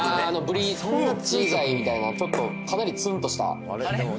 あのブリーチ剤みたいなちょっとかなりツンとしたあれ？